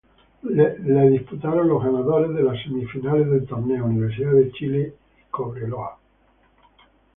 La disputaron los ganadores de las semifinales del torneo: Universidad de Chile y Cobreloa.